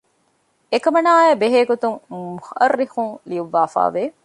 އެކަމަނާއާއި ބެހޭގޮތުން މުއައްރިޚުން ލިޔުއްވައިފައިވެ